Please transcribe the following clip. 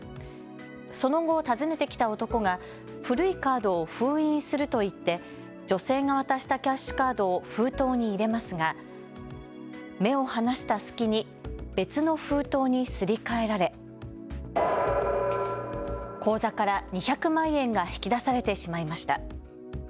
その後、訪ねてきた男が古いカードを封印すると言って女性が渡したキャッシュカードを封筒に入れますが目を離した隙に別の封筒にすり替えられ口座から２００万円が引き出されてしまいました。